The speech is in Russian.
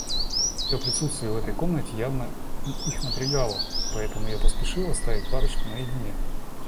Мое присутствие в этой комнате явно их напрягало, поэтому я поспешил оставить парочку наедине.